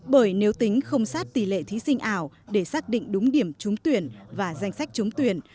bởi nếu tính không sát tỷ lệ thí sinh ảo để xác định đúng điểm trúng tuyển và danh sách trúng tuyển